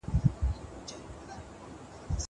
زه اوږده وخت د کتابتون کتابونه لوستل کوم!!